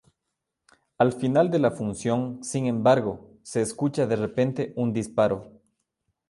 Al final de la función, sin embargo, se escucha de repente un disparo.